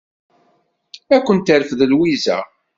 Ad kent-terfed Lwiza.